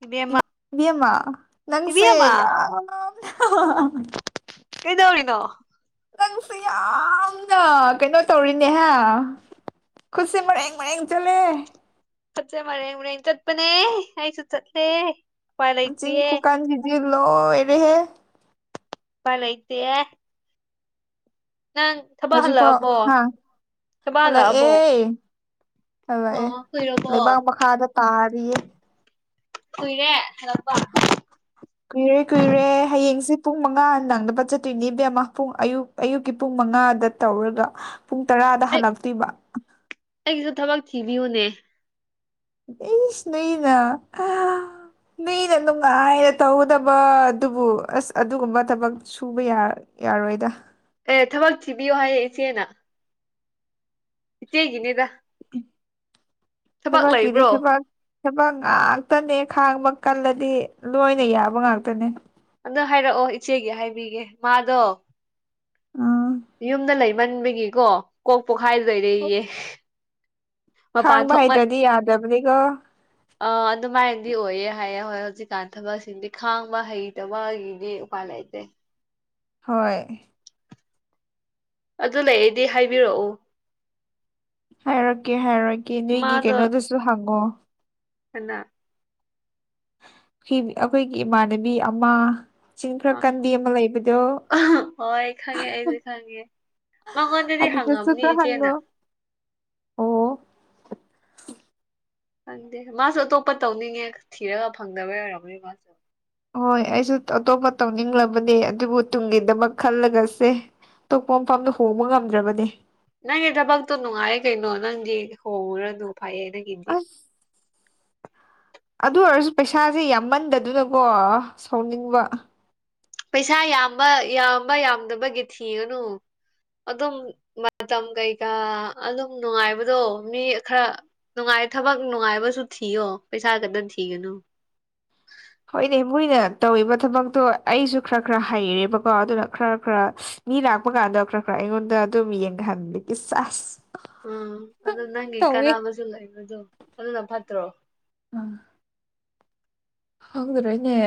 ꯏꯕꯦꯝꯃ ꯏꯃ ꯅꯪꯁꯦ ꯏꯕꯦꯝꯃ ꯌꯥ ꯀꯩꯗꯧꯔꯤꯅꯣ ꯅꯪꯁꯦ ꯌꯥꯝꯅ ꯀꯩꯅꯣ ꯇꯧꯔꯤꯅꯦꯍꯦ ꯈꯨꯁꯤ ꯃꯔꯦꯡ ꯃꯔꯦꯡꯦꯡ ꯆꯂꯦ ꯆꯠꯁꯦ ꯃꯔꯦ ꯍꯣꯔꯦꯟ ꯆꯠꯄꯅꯦ ꯑꯩꯁꯨ ꯆꯠꯂꯦ ꯎꯄꯥꯏ ꯃ ꯆꯤꯟ ꯂꯩꯇꯦ ꯀꯨ ꯀꯥꯟꯒꯤꯤꯖꯤ ꯂꯣ ꯑꯦꯔꯦꯍꯦ ꯐꯂꯥꯏꯇ ꯍꯧꯖꯤ ꯄꯣ ꯍꯜꯂꯛꯑꯕꯣ ꯍꯥ ꯊꯕꯛ ꯍꯜꯂꯣ ꯍꯜꯂꯛꯑꯕꯣ ꯑꯦ ꯍ ꯂꯥꯛꯑꯦ ꯑꯣ ꯀꯨꯏꯔꯕꯣ ꯂꯩꯕꯥꯛ ꯃꯈꯥꯗ ꯇꯥꯔꯤꯌꯦ ꯀꯨꯏꯔꯦ ꯍꯦꯜꯂ ꯀꯨꯏꯔꯦ ꯀꯨꯏꯔꯦ ꯍꯌꯦꯡꯁꯦ ꯄꯨꯡ ꯃꯉꯥ ꯅꯪꯗꯕ ꯆꯠꯇꯣꯏꯅꯦ ꯏꯕꯦꯝꯃ ꯄꯨꯡ ꯑꯌꯨꯛ ꯑꯌꯨꯛꯀꯤ ꯄꯨꯡ ꯃꯉꯥꯗ ꯇꯧꯔꯒ ꯄꯨꯡ ꯇꯔꯥꯗ ꯑꯩ ꯍꯜꯂꯛꯇꯣꯏꯕ ꯊꯚꯎꯅꯦ ꯁ ꯅꯣꯏꯅ ꯃꯤꯅ ꯅꯨꯡꯉꯥꯏꯅ ꯇꯧꯒꯗꯕ ꯑꯗꯨꯕꯨ ꯑꯁ ꯑꯗꯨꯒꯨꯝꯕ ꯊꯕꯛ ꯁꯨꯕ ꯌꯥ ꯌꯥꯔꯣꯏꯗ ꯑꯦ ꯊꯕꯛ ꯊꯤꯕꯤꯌꯣ ꯍꯥꯏꯌꯦ ꯏꯆꯦꯅ ꯏ ꯍꯦꯒꯅꯦꯗ ꯏ ꯊꯕꯥꯀꯤꯗꯤ ꯏ ꯂꯩꯕ꯭ꯔꯣ ꯊꯄꯥ ꯊꯕ ꯉꯥꯛꯇꯅꯦ ꯈꯥꯡꯕ ꯀꯜꯂꯗꯤ ꯂꯣꯏꯅ ꯌꯥꯕ ꯉꯥꯛꯇꯅꯦ ꯑꯗꯣ ꯍꯥꯏꯔꯛꯑꯣ ꯏꯆꯦꯒꯤ ꯍꯥꯏꯕꯤꯒꯦ ꯃꯥꯗꯣ ꯎꯝ ꯃꯟꯕꯒꯤꯀꯣ ꯀꯣꯛ ꯄꯣꯛꯈꯥꯏꯗꯣꯏꯔꯩꯌꯦ ꯃꯄꯥꯟ ꯈꯥꯡꯕ ꯊꯣꯛ ꯍꯩꯇ꯭ꯔꯗꯤ ꯌꯥꯗꯕꯅꯤꯀꯣ ꯑ ꯑꯗꯨꯃꯥꯏꯅ ꯗꯤ ꯑꯣꯏꯌꯦꯦ ꯍꯥꯏꯌꯦ ꯍꯣꯏ ꯍꯧꯖꯤꯛꯀꯥꯟ ꯊꯕꯛꯁꯤꯡꯗꯤ ꯈꯥꯡꯕ ꯍꯩꯇꯕꯒꯤꯗꯤ ꯎꯄꯥꯏ ꯂꯩꯇꯦ ꯍꯣꯏ ꯑꯗꯨ ꯂꯩ ꯑꯩꯗꯤ ꯍꯥꯏꯕꯤꯔꯛꯎ ꯍꯥꯏꯔꯛꯀꯦ ꯍꯥꯏꯔꯛꯀꯦ ꯅꯣꯏꯒꯤ ꯀꯩꯅꯣꯗꯁꯨ ꯍꯪꯉꯣ ꯑ ꯑꯩꯈꯣꯏꯒꯤ ꯏꯃꯥꯟꯅꯕꯤ ꯑꯃ ꯆꯤꯡ ꯐꯔ ꯀꯟꯗꯤ ꯑꯃ ꯂꯩꯕꯗꯣ ꯍꯣꯏ ꯈꯪꯉꯦ ꯑꯩꯁꯨ ꯈꯪꯉꯦ ꯃꯉꯣꯟꯗꯗꯤ ꯍꯪꯉꯝꯅꯤ ꯑꯗꯨꯗꯁꯨꯈ꯭ꯔ ꯏꯆꯦꯅ ꯍꯪꯒꯣ ꯈꯪꯗꯦ ꯃꯥꯁꯨ ꯑꯇꯣꯞꯄ ꯇꯧꯅꯤꯡꯉꯦ ꯊꯤꯔꯒ ꯐꯪꯗꯕ ꯌꯥꯝꯔꯕꯣꯏ ꯃꯥꯁꯨ ꯍꯣꯏ ꯑꯩꯁꯨ ꯑꯇꯣꯞꯄ ꯇꯧꯅꯤꯡꯂꯕꯅꯦ ꯑꯗꯨꯕꯨ ꯇꯨꯡꯒꯤꯗꯃꯛ ꯈꯜꯂꯒꯁꯦ ꯑꯇꯣꯞꯄ ꯃꯐꯝꯗ ꯍꯣꯡꯕ ꯉꯝꯗ꯭ꯔꯕꯗꯤ ꯅꯪꯒꯤ ꯊꯕꯛꯇꯣ ꯅꯨꯡꯉꯥꯏ ꯀꯩꯅꯣ ꯅꯪꯗꯤ ꯍꯣꯡꯉꯨꯔꯅꯨ ꯐꯩꯌꯦ ꯅꯪꯒꯤꯗꯤ ꯑꯁ ꯑꯗꯨ ꯑꯣꯏꯔꯁꯨ ꯄꯩꯁꯥꯁꯦ ꯌꯥꯝꯃꯟꯗꯗꯅꯀꯣ ꯁꯥꯎꯅꯤꯡꯕ ꯄꯩꯁꯥ ꯌꯥꯝꯕ ꯌꯥꯝꯕ ꯌꯥꯝꯗꯕꯒꯤ ꯊꯤꯒꯅꯨ ꯑꯗꯨꯝ ꯃꯇꯝ ꯀꯩꯀꯥ ꯑꯗꯨꯝ ꯅꯨꯡꯉꯥꯏꯕꯗꯣ ꯃꯤ ꯈꯔ ꯅꯨꯡꯉꯥꯏ ꯊꯕꯛ ꯅꯨꯡꯉꯥꯏꯕꯁꯨ ꯊꯤꯌꯣ ꯄꯩꯁꯥ ꯈꯛꯇ ꯊꯤꯒꯅꯨ ꯇꯧꯕ ꯊꯕꯛꯇꯣ ꯑꯩꯁꯨ ꯈꯔ ꯈꯔ ꯍꯩꯔꯦꯕꯀꯣ ꯑꯗꯨꯅ ꯈꯔ ꯈꯔ ꯃꯤ ꯂꯥꯛꯄ ꯀꯥꯟꯗ ꯈꯔ ꯈꯔ ꯑꯩꯉꯣꯟꯗ ꯑꯗꯨꯣ ꯃꯤꯌꯦꯡ ꯈꯥꯟꯗ ꯆꯁ ꯎꯝ ꯑꯗꯨ ꯅꯪꯒꯤ ꯀꯅꯥꯅꯕꯁꯨ ꯂꯩꯕꯗꯣ ꯑꯗꯨꯅ ꯐꯠꯇ꯭ꯔꯣ ꯑ ꯍꯥꯎꯗ꯭ꯔꯥ ꯏꯅꯦ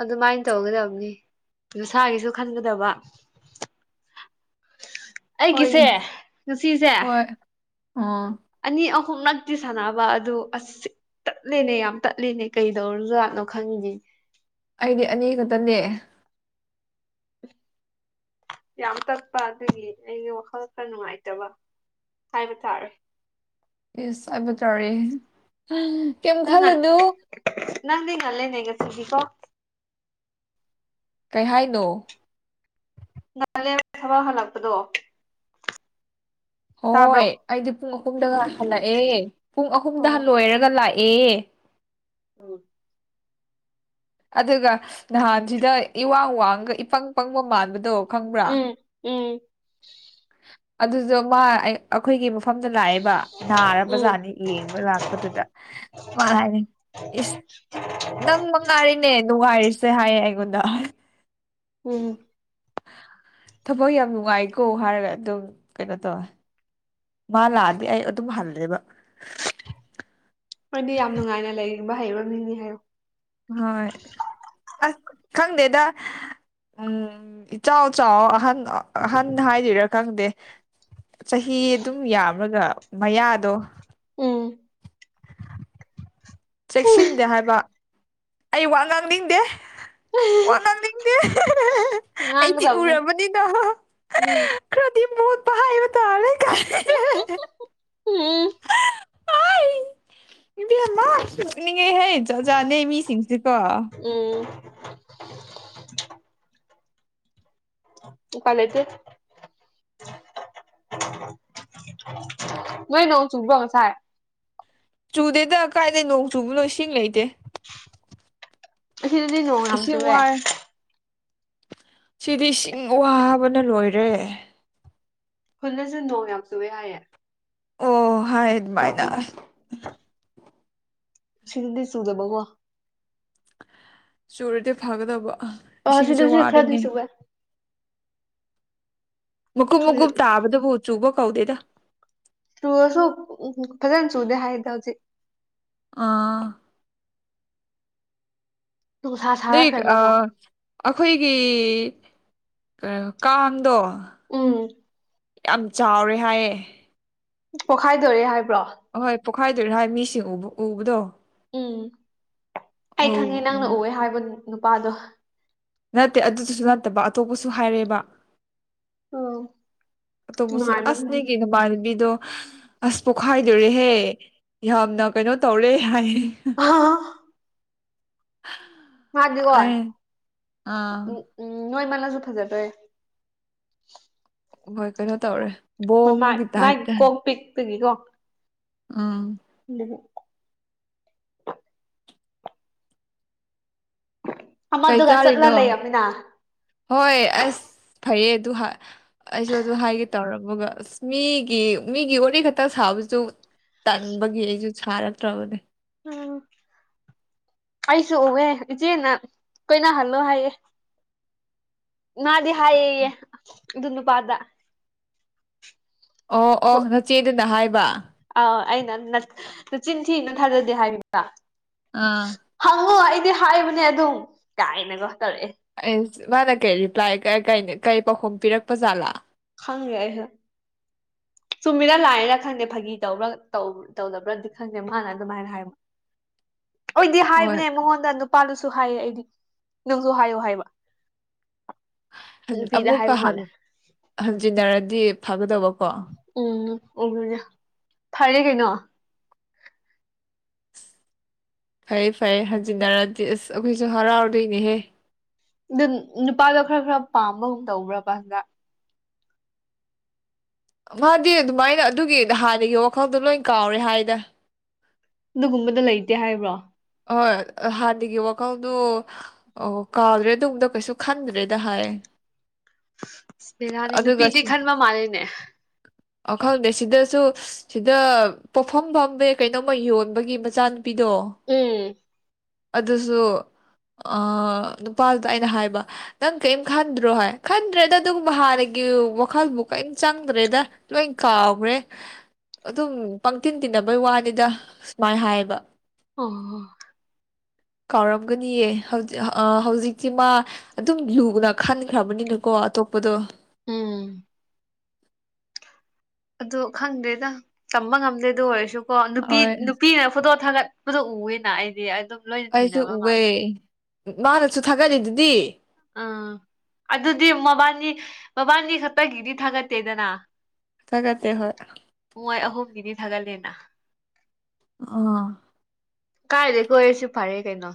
ꯑꯗꯨꯃꯥꯏꯅ ꯇꯧꯒꯗꯕꯅꯤ ꯅꯨꯡꯁꯥꯒꯤꯁꯨ ꯈꯟꯒꯗꯕ ꯑꯩꯒꯤꯁꯦ ꯍꯣꯏꯅꯦ ꯉꯁꯤꯁꯦ ꯍꯣꯏ ꯑꯥ ꯑꯅꯤ ꯑꯍꯨꯝ ꯅꯛꯇꯤ ꯁꯥꯟꯅꯕ ꯑꯗꯨ ꯑꯁ ꯇꯠꯂꯤꯦꯅꯦ ꯌꯥꯝ ꯇꯠꯂꯤꯅꯦ ꯀꯩꯗꯧꯔꯁꯨ ꯈꯪꯉꯤꯒ ꯑꯩꯗꯤ ꯑꯅꯤ ꯈꯛꯇꯅꯦ ꯌꯥꯝ ꯇꯠꯄ ꯑꯗꯨꯒꯤ ꯑꯩꯒꯤ ꯋꯥꯈꯜ ꯈ ꯅꯨꯡꯉꯥꯏꯇꯕ ꯍꯥꯏꯕ ꯇꯥꯔꯦ ꯌꯦꯁ ꯍꯥꯏꯕ ꯇꯥꯔꯦ ꯀꯩꯝ ꯈꯜꯂꯨꯅꯨ ꯅꯪ ꯉ ꯂꯩꯦꯅꯦꯒ ꯁꯤꯒꯀꯣ ꯀꯩꯍꯥꯏꯅꯣ ꯊꯋꯥ ꯍꯜꯂꯛꯄꯗꯣ ꯍꯣꯏ ꯇꯥꯕ꯭ꯔꯣ ꯑꯩꯗꯤ ꯄꯨꯡ ꯑꯍꯨꯝꯗꯒ ꯍꯜꯂꯛꯑꯦ ꯄꯨꯡ ꯑꯍꯨꯝꯗ ꯑꯣ ꯍꯟꯂꯣꯏꯔꯒ ꯂꯥꯛꯑꯦ ꯑꯦ ꯎꯝ ꯑꯗꯨꯒ ꯅꯍꯥꯟꯁꯤꯗ ꯏꯋꯥꯡ ꯋꯥꯡꯒ ꯏꯄꯪ ꯄꯪꯕ ꯃꯥꯟꯕꯗꯣ ꯈꯪꯕ꯭ꯔꯥ ꯎꯝ ꯎꯝ ꯑꯗꯨꯗꯣ ꯃꯥ ꯑꯩꯈꯣꯏꯒꯤ ꯃꯐꯝꯗ ꯂꯥꯛꯑꯦꯕ ꯅꯥꯔ ꯕꯖꯥꯔꯅꯤ ꯌꯦꯡꯕ ꯂꯥꯛꯄꯗꯨꯗꯃꯅ ꯍꯥꯏꯅꯤ ꯏꯁ ꯅꯪ ꯃ ꯉꯥꯔꯤꯅꯦ ꯅꯨꯡꯉꯥꯏꯔꯤꯁꯦ ꯍꯥꯏꯌꯦ ꯑꯩꯉꯣꯟꯗ ꯎꯝ ꯊꯕꯛ ꯌꯥꯝ ꯅꯨꯡꯉꯥꯏꯀꯣ ꯍꯥꯏꯔꯒ ꯑꯗꯨꯝ ꯀꯩꯅꯣ ꯇꯧꯋꯦ ꯃꯥ ꯂꯥꯛꯑꯗꯤ ꯑꯩ ꯑꯗꯨꯝ ꯍꯜꯂꯦꯕ ꯍꯣꯏꯗꯤ ꯌꯥꯝ ꯅꯨꯡꯉꯥꯏꯅ ꯂꯩꯔꯤꯕꯕ ꯍꯩꯕ ꯃꯤꯅꯤ ꯍꯥꯏꯌꯣ ꯍꯣꯏ ꯑꯁ ꯈꯪꯗꯦꯗ ꯎ ꯏꯆꯥꯎ ꯆꯥꯎ ꯑꯍꯟ ꯑꯍꯟ ꯍꯥꯏꯗꯣꯏꯔꯥ ꯈꯪꯗꯦ ꯆꯍꯤ ꯑꯗꯨꯝ ꯌꯥꯝ꯭ꯔꯒ ꯃꯌꯥꯗꯣ ꯎꯝ ꯆꯦꯛꯁꯤꯟꯗꯦ ꯍꯥꯏꯕ ꯑꯩ ꯋꯥ ꯉꯥꯡꯅꯤꯡꯗꯦ ꯑꯣꯟꯣ ꯍꯗꯤ ꯑꯩꯗꯤ ꯉꯥꯡꯒꯗꯕꯅꯦ ꯎꯔꯕꯅꯤꯅ ꯎꯝ ꯈꯔꯗꯤ ꯃꯣꯠ ꯄꯏ ꯇꯔꯦ ꯀ ꯎꯝ ꯏꯕꯤ ꯀꯦ ꯍꯥꯏꯩ ꯆꯖꯥꯅꯦ ꯃꯤꯁꯤꯡꯁꯤꯦ ꯀꯣ ꯎꯝ ꯎ ꯀ ꯂꯩꯇꯦ ꯅꯣꯏ ꯅ ꯆꯨꯕꯣ ꯁꯥꯏ ꯆꯨꯗꯦꯗ ꯀꯥꯏꯗꯒꯤꯩ ꯅꯣꯡ ꯆꯨꯕꯅꯣ ꯏꯁꯤꯡ ꯂꯩꯇꯦ ꯁꯤꯗꯤ ꯉꯣꯡ ꯏꯁꯤꯡ ꯉꯝꯁꯨꯕꯦ ꯋꯥꯏ ꯁꯤꯗꯤ ꯏꯁꯤꯡ ꯋꯥꯕꯅ ꯂꯣꯏꯔꯦ ꯈꯨꯨꯜꯟꯅꯁꯨ ꯅꯣꯡ ꯌꯥꯝ ꯆꯨꯑꯦ ꯍꯥꯏꯌꯦꯦ ꯑꯣ ꯍꯥꯏꯌꯦ ꯃꯥꯏꯅ ꯁꯤ ꯅꯗꯤ ꯆꯨꯗ ꯕ ꯋꯥ ꯆꯨꯔꯗꯤ ꯐꯒꯗꯕ ꯑ ꯏꯁꯤꯡꯁꯨꯦ ꯁꯤꯗꯁꯨ ꯈꯔꯗꯤ ꯋꯥꯔꯅꯤ ꯆꯨꯋꯦ ꯃꯀꯨꯞ ꯃꯀꯨꯞ ꯇꯥꯕꯗꯨꯕꯨ ꯆꯨꯕ ꯀꯧꯗꯦꯗ ꯆꯨꯔꯁꯨ ꯐꯖꯅ ꯆꯨꯗꯦ ꯍꯥꯏꯗ ꯍꯧꯖꯤꯛ ꯑꯥ ꯅꯨꯡꯁꯥ ꯅ ꯁꯥꯔꯛꯈ꯭ꯔꯦꯕ ꯑ ꯑꯃꯨꯛ ꯑꯩꯈꯣꯏꯒꯤ ꯀꯩꯅꯣ ꯀꯥꯡꯗꯣ ꯎꯝ ꯌꯥꯝ ꯆꯥꯎꯔꯦ ꯍꯥꯏꯌꯦꯦ ꯄꯣꯛꯈꯥꯏꯗꯣꯔꯦ ꯍꯥꯏꯕ꯭ꯔꯣ ꯄꯣꯛꯈꯥꯏꯗꯣꯏꯅꯣ ꯍꯥꯏ ꯃꯤꯁꯤꯡꯕ ꯎꯕꯗꯣ ꯎꯝ ꯎ ꯑꯩ ꯈꯪꯉꯦ ꯅꯪꯅ ꯎꯝ ꯎꯑꯦ ꯍꯥꯏꯕ ꯅꯨꯄꯥꯗꯣ ꯅꯠꯇꯦ ꯑꯗꯨꯗꯨꯁꯨ ꯅꯠꯇꯕ ꯑꯇꯣꯞꯄꯁꯨ ꯍꯥꯏꯔꯦꯕ ꯑꯣ ꯇꯣꯕꯨꯁꯨ ꯑꯁꯅꯦꯒꯅ ꯃꯥꯅꯤꯕꯤꯗꯨꯣ ꯑꯁ ꯄꯣꯛꯈꯥꯏꯗꯣꯔꯦꯍꯦ ꯌꯥꯝꯅ ꯀꯩꯅꯣ ꯇꯧꯔꯦ ꯍꯥꯏ [unintelligible] ꯃꯗꯤꯀ‌ꯣ ꯑꯥ ꯎꯝ ꯅꯣꯏꯃꯜꯂꯖꯣ ꯐꯖꯗ‌ꯣꯏ ꯅ‌ꯦ ꯍꯣꯏ ꯀꯩꯅꯣ ꯇꯧꯔꯦ ꯃꯃꯥꯏ ꯕꯣꯝꯒꯤ ꯃꯥꯏ ꯀꯣꯡ ꯄꯤꯛꯄꯒꯤꯀꯣ ꯑꯥ [unintelligible] ꯀꯔꯤ ꯑꯃꯗꯨꯒ ꯆꯥꯔꯤꯅꯣ ꯆꯠꯂ ꯂꯩꯔꯝꯃꯤꯅ ꯍꯣꯏ ꯑꯁ ꯐꯩꯌꯦ ꯑꯗꯨ ꯑꯩꯁꯨ ꯑꯗꯨ ꯍꯥꯏꯒꯦ ꯇꯧꯔꯝꯃꯒ ꯑꯁ ꯃꯤꯒꯤ ꯃꯤꯒꯤ ꯋꯥꯔꯤ ꯈꯛꯇꯪ ꯁꯥꯕꯁꯨ ꯇꯟꯕꯒꯤ ꯑꯩꯁꯨ ꯁꯥꯔꯛꯇ꯭ꯔꯕꯅꯦ ꯑꯩꯁꯨ ꯎꯑꯦ ꯏꯆꯦꯅ ꯀꯣꯏꯅꯍꯜꯂꯣ ꯍꯥꯏꯌꯦ ꯉꯗꯤ ꯍꯥꯏꯦ ꯌ‌ꯦ ꯑꯗꯨ ꯅꯨꯄꯥꯗ ꯑꯣ ꯑꯣ ꯅꯆꯦꯗꯨꯅ ꯍꯥꯏꯕ ꯑꯥ ꯑꯩꯅ ꯅꯆꯤꯟ ꯊꯤꯅ ꯊꯥꯖꯗꯦ ꯍꯥꯏꯕꯗ ꯑꯥ ꯍꯪꯉꯨ ꯑꯩ ꯍꯥꯏꯕꯅꯦ ꯑꯗꯨꯝ ꯀꯥꯏꯅꯒ ꯇꯧꯔꯛꯑꯦ ꯃꯥꯅ ꯀꯩ ꯔꯤꯄ꯭ꯂꯥꯏ ꯀꯩ ꯄꯥꯎꯈꯨꯝ ꯄꯤꯔꯛꯄ ꯖꯥꯠꯂꯥ ꯈꯪꯉꯦ ꯑꯩꯁꯨ ꯆꯨꯝꯃꯤꯅ ꯂꯥꯜꯂꯤꯔꯥ ꯈꯪꯗꯦ ꯐꯥꯒꯤ ꯇꯧꯕ꯭ꯔꯥ ꯇꯧꯗꯕ꯭ꯔꯗꯤ ꯈꯪꯗꯦ ꯃꯥꯅ ꯑꯗꯨꯃꯥꯏꯅ ꯍꯥꯏꯕ [unintelligible] ꯑꯣꯏꯗꯤ ꯍꯣꯏ ꯍꯥꯏꯕꯅꯦ ꯃꯉꯣꯟꯗ ꯅꯨꯄꯥ ꯗꯨꯁꯨ ꯍꯥꯏꯌꯦ ꯑꯩꯗꯤ ꯅꯪꯁꯨ ꯍꯥꯏꯌꯣ ꯍꯥꯏꯕ ꯅꯨꯄꯤꯗ ꯑꯃꯨꯛꯀ ꯍꯥꯏꯕ ꯃꯥꯜꯂꯦ ꯍꯟꯖꯤꯟꯅꯔꯗꯤ ꯐꯒꯗꯕ ꯎꯝ ꯎꯅꯦ ꯐꯔꯦ ꯀꯩꯅꯣ ꯐꯩ ꯐꯩ ꯍꯟꯖꯤꯟꯅꯔꯗꯤ ꯑꯁ ꯑꯩꯈꯣꯏꯁꯨ ꯍꯔꯥꯎꯗꯣꯏꯅꯦꯍꯦ ꯑ ꯅꯨꯄꯥꯗꯣ ꯈꯔ ꯈꯔ ꯄꯥꯝꯕꯒꯨꯝ ꯇꯧꯕ꯭ꯔꯥ ꯄ ꯍꯟꯗ ꯃꯥꯗꯤ ꯑꯗꯨꯃꯥꯏꯅ ꯑꯗꯨꯒꯤ ꯍꯥꯟꯅꯒꯤ ꯋꯥꯈꯜꯗꯣ ꯂꯣꯏ ꯀꯥꯎꯔꯦ ꯍꯥꯏꯅ ꯑꯗꯨꯒꯨꯝꯕꯗ ꯂꯩꯇꯦ ꯍꯥꯏꯕ꯭ꯔꯣ ꯍꯣꯏ ꯍꯥꯟꯅꯒꯤ ꯋꯥꯈꯜꯗꯣ ꯀꯥꯎꯗ꯭ꯔꯦꯗꯣꯝꯗ ꯀꯩꯁꯨ ꯈꯟꯗ꯭ꯔꯦꯗ ꯍꯥꯏ ꯕꯤꯔꯅꯤ ꯑꯗꯨꯒ ꯅꯨꯄꯤꯗꯤ ꯁꯤ ꯈꯟꯕ ꯃꯥꯜꯂꯤꯅꯦ ꯑ ꯈꯪꯗꯦ ꯁꯤꯗꯁꯨ ꯁꯤꯗ ꯄꯣꯐꯝ ꯐꯥꯝꯕ ꯀꯩꯅꯣꯝꯃ ꯌꯣꯟꯕꯒꯤ ꯃꯆꯥꯅꯨꯄꯤꯗꯣ ꯎꯝ ꯑꯗꯨꯁꯨ ꯑ ꯅꯨꯄꯥꯗꯨꯗ ꯑꯩꯅ ꯍꯥꯏꯕ ꯅꯪ ꯀꯔꯤꯝ ꯈꯟꯗ꯭ꯔꯣ ꯍꯥꯏ ꯈꯟꯗ꯭ꯔꯦꯗ ꯑꯗꯨꯒꯨꯝꯕ ꯍꯥꯟꯅꯒꯤ ꯋꯥꯈꯜꯕꯨ ꯀꯔꯤꯝ ꯆꯪꯗ꯭ꯔꯦꯗ ꯂꯣꯏ ꯀꯥꯎꯈ꯭ꯔꯦ ꯑꯗꯨꯝ ꯄꯪꯊꯤꯟ ꯇꯤꯟꯅꯕꯩ ꯋꯥꯅꯤꯗ ꯁꯨꯃꯥꯏꯅ ꯍꯥꯏꯌꯦꯕ ꯑꯣ [unintelligible] ꯀꯥꯎꯔꯝꯒꯅꯤꯑ ꯍꯧꯖꯤꯛ ꯍꯧꯖꯤꯛꯇꯤ ꯃꯥ ꯑꯗꯨꯝ ꯂꯨꯅ ꯈꯟꯈ꯭ꯔꯕꯅꯤꯅꯀꯣ ꯑꯇꯣꯞ ꯄꯗꯣ ꯎꯝ ꯑꯗꯣ ꯈꯪꯗ꯭ꯔꯦꯗ ꯇꯝꯕ ꯉꯝꯗꯦꯗꯣ ꯑꯗꯨ ꯑꯣꯏꯔꯁꯨꯀꯣ ꯅꯨꯄꯤ ꯍꯣꯏ ꯅꯨꯄꯤꯅ ꯐꯣꯇꯣ ꯊꯥꯒꯠ ꯄꯨꯗꯨ ꯎꯌ‌ꯦꯅ ꯑꯩꯗꯤ ꯑꯗꯨꯝ ꯂꯣꯏꯅ ꯑꯩꯁꯨ ꯊꯦꯡꯅꯕ ꯃꯥꯜꯂꯦ ꯎꯑꯦ ꯃꯥꯅꯁꯨ ꯊꯥꯒꯠꯂꯤ ꯗꯨꯗꯤ ꯎꯝ ꯑꯗꯨꯗꯤ ꯃꯕꯥꯟꯅꯤ ꯃꯕꯥꯟꯅꯤ ꯈꯛꯇꯒꯤꯗꯤ ꯊꯥꯒꯠꯇꯦꯗꯅ ꯊꯒꯠ ꯇꯦ ꯍꯣꯏ ꯊꯒꯠꯂꯦꯅ ꯑ ꯀꯥꯏꯗ ꯀꯣꯏꯔꯁꯨ ꯐꯔꯦ ꯀꯩꯅꯣ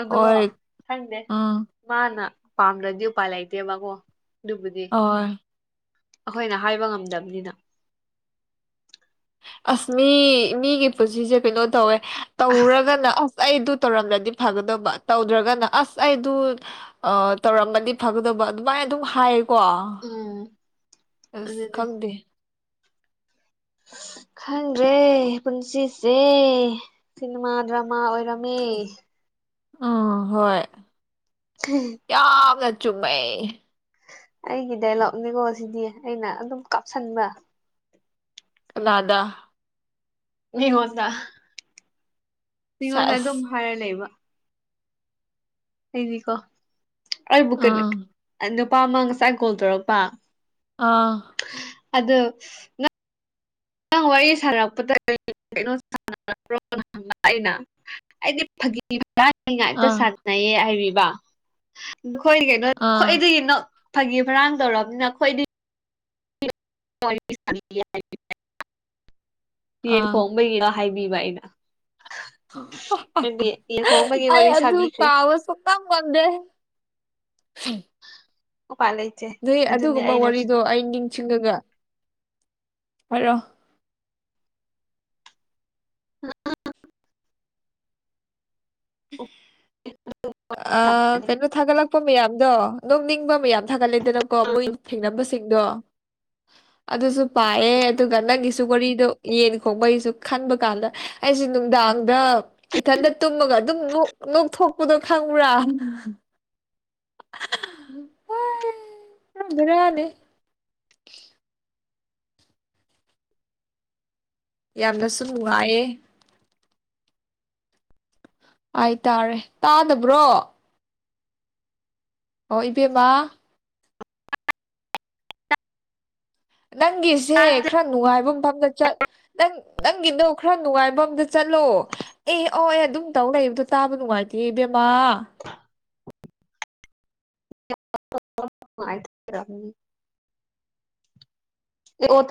ꯑꯗꯨꯒꯣ ꯑꯣꯏ ꯈꯪꯗꯦ ꯎꯝ ꯃꯥꯅ ꯄꯥꯝꯗ꯭ꯔꯗꯤ ꯎꯄꯥꯏ ꯂꯩꯇꯦꯕꯀꯣ ꯑꯗꯨꯕꯨꯗꯤ ꯑꯣꯏ ꯑꯩꯈꯣꯏꯅ ꯍꯥꯏꯕ ꯉꯝꯗꯕꯅꯤꯅ ꯑꯁ ꯃꯤ ꯃꯤꯒꯤ ꯄꯨꯟꯁꯤꯁꯦ ꯀꯩꯅꯣ ꯇꯧꯋꯦ ꯇꯧꯔꯨꯔꯒꯅ ꯑꯁ ꯑꯁ ꯑꯩꯗꯨ ꯇꯧꯔꯝꯂꯗꯤ ꯐꯒꯗꯕ ꯇꯧꯗ꯭ꯔꯒꯅ ꯑꯁ ꯑꯩꯗꯨ ꯇꯧꯔꯝꯃꯗꯤ ꯐꯒꯗꯕ ꯑꯗꯨꯃꯥꯏꯅ ꯑꯗꯨꯝ ꯍꯥꯏꯌꯦꯀꯣ ꯎꯝ ꯑꯁ ꯑꯗꯨꯅꯦ ꯈꯪꯗꯦ [inaudible] ꯈꯪꯗ꯭ꯔꯦ ꯄꯨꯟꯁꯤꯁꯦ ꯁꯤꯅꯦꯃꯥ ꯗ꯭ꯔꯃꯥ ꯑꯣꯏꯔꯝꯃꯦ ꯎꯝ ꯍꯣꯏ ꯌꯥꯝꯅ ꯆꯨꯝꯃꯦꯩ ꯑꯩꯒꯤ ꯗꯥꯏꯂꯣꯛꯅꯦꯀꯣ ꯁꯤꯗꯤ ꯑꯩꯅ ꯑꯗꯨꯝ ꯀꯥꯞꯁꯤꯟꯕ ꯂꯥꯗꯥ ꯌꯦ ꯍꯣꯗ ꯑꯩꯉꯣꯟꯗ ꯑꯗꯨꯝ ꯁꯦꯁ ꯍꯥꯏꯔ ꯂꯩꯕ ꯑꯩꯗꯤꯀꯣ ꯑꯩꯕꯨ ꯀꯩꯅꯣ ꯑꯥ ꯅꯨꯄꯥ ꯑꯃ ꯉꯁꯥꯏ ꯀꯣꯜ ꯇꯧꯔꯛꯄ ꯑꯥ ꯑꯗ ꯑꯥꯡ ꯋꯥꯔꯤ ꯁꯥꯟꯅꯔꯛꯄꯗ꯭ꯔ ꯍꯥꯏꯅ ꯑꯩꯗꯤ ꯐ ꯉꯥꯏꯝꯇ ꯑꯥ ꯁꯥꯟꯅꯩꯌꯦ ꯍꯥꯏꯕꯤꯕ ꯅꯣꯏ ꯀꯩꯅꯣ ꯑꯥ ꯈ꯭ꯋꯥꯏꯗꯒꯤꯅꯣ ꯐꯥꯒꯤ ꯃꯔꯥꯡ ꯇꯧꯔꯕꯅꯤꯅ ꯑꯩꯈꯣꯏꯗꯤ ꯌꯦ ꯑꯥ ꯀꯣꯝꯕꯔ ꯍꯥꯏꯕꯤꯕ ꯑꯩꯅ ꯑꯗꯨꯗꯤ ꯌꯦꯟ ꯈꯣꯡꯕꯒꯤ ꯑꯩ ꯋꯥꯔꯤ ꯑꯗꯨ ꯁꯥꯕꯤꯈ꯭ꯔꯦ ꯀꯥꯎꯁꯨꯣ ꯀꯝ ꯀꯗꯦ ꯎꯝ ꯎꯄꯥꯏ ꯂꯩꯇꯦ ꯅꯣꯏ ꯑꯗꯨꯅꯤ ꯑꯗꯨꯒꯨꯝꯕ ꯑꯩꯅ ꯋꯥꯔꯤꯗꯣ ꯑꯩ ꯅꯤꯡꯁꯤꯡꯉꯒ ꯍꯥꯏꯔꯣ ꯑ ꯎꯝ ꯑ ꯀꯩꯅꯣ ꯊꯥꯒꯠꯂꯛꯄ ꯃꯌꯥꯝꯗꯣ ꯅꯣꯛꯅꯤꯡꯕ ꯃꯌꯥꯝꯠ ꯈꯒꯂꯦꯗꯅꯀꯣ ꯃꯣꯏ ꯊꯦꯡꯅꯕꯁꯤꯡꯗꯣ ꯑꯗꯨꯁꯨ ꯄꯥꯏꯑꯦ ꯑꯗꯨꯒ ꯅꯪꯒꯤꯁꯨ ꯋꯥꯔꯤꯗꯣ ꯌꯦꯟ ꯈꯣꯕꯒꯤꯁꯨ ꯈꯟꯕ ꯀꯥꯟꯗ ꯑꯩꯁꯨ ꯅꯨꯡꯗꯥꯡꯗ ꯏꯊꯟꯗ ꯇꯨꯝꯃꯒ ꯑꯗꯨꯝ ꯅꯣꯛꯊꯣꯛꯄꯗꯣ ꯈꯪ꯭ꯔꯥ ꯍ ꯍ ꯅꯗ ꯌꯥꯝꯗꯁꯨꯨꯉꯑꯦ ꯍꯥꯏꯇꯥꯔꯦ ꯇꯥꯗꯕ꯭ꯔꯣ ꯑꯣ ꯏꯕꯦꯝꯃ ꯅꯪꯒꯤꯁꯦ ꯈꯔ ꯅꯨꯡꯉꯥꯏꯕ ꯃꯐꯝꯗ ꯆꯠ ꯅꯪ ꯅꯪꯒꯤꯗꯣ ꯈꯔ ꯅꯨꯡꯉꯥꯏꯕ ꯑꯝꯇ ꯆꯠꯂꯣ ꯑꯦ ꯑꯣ ꯑꯦ ꯑꯗꯨꯝ ꯇꯧ ꯂꯩꯕꯗꯣ ꯇꯥꯕ ꯅꯨꯡꯉꯥꯏꯇꯦ ꯏꯕꯦꯝ ꯋꯥ [unintelligible]